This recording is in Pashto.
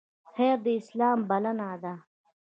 خیر د اسلام بلنه ده